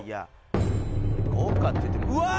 豪華っていってもうわっ！